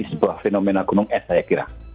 sebuah fenomena gunung es saya kira